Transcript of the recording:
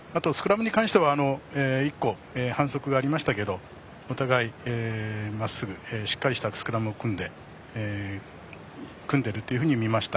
あと、スクラムに関しては１個反則がありましたけどお互いまっすぐしっかりしたスクラムを組んでいるっていうふうに見ました。